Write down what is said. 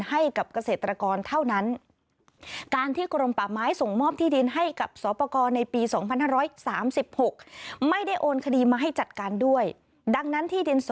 ให้กับเกษตรกรเท่านั้น